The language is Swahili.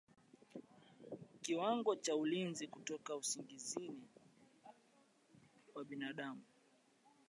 kiwango cha ulinzi kutoka usingizi wa binadamu